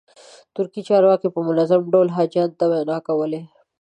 ترکي چارواکو به په منظم ډول حاجیانو ته ویناوې کولې.